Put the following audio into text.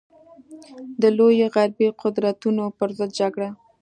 د لویو غربي قدرتونو پر ضد جګړه.